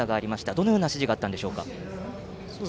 どのような指示があったんでしょうか。